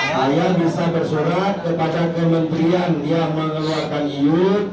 kalian bisa bersurat kepada kementerian yang mengeluarkan iu